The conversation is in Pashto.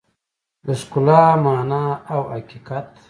د ښکلا مانا او حقیقت